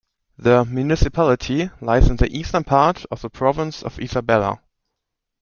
The municipality lies in the eastern part of the Province of Isabela.